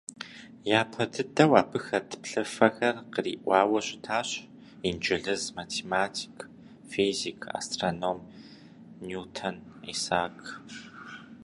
Япэ дыдэу абы хэт плъыфэхэр къриӏуауэ щытащ инджылыз математик, физик, астроном Ньютон Исаак.